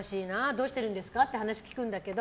どうしてるんですかって話を聞くんですけど。